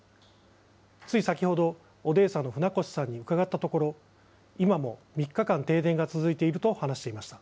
つい先ほど、オデーサの船越さんに伺ったところ、今も３日間停電が続いていると話していました。